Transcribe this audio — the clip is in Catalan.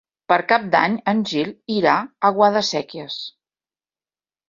Per Cap d'Any en Gil irà a Guadasséquies.